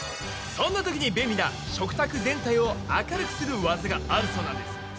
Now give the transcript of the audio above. そんなときに便利な食卓全体を明るくするワザがあるそうなんです。